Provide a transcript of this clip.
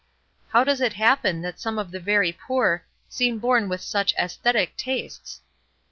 How does it happen that some of the very poor seem born with such aesthetic tastes?